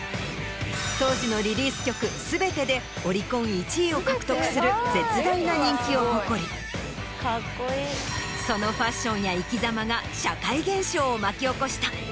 当時のリリース曲全てでオリコン１位を獲得する絶大な人気を誇りそのファッションや生き様が社会現象を巻き起こした。